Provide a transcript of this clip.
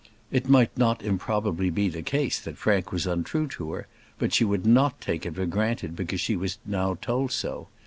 It might not improbably be the case that Frank was untrue to her; but she would not take it for granted because she was now told so.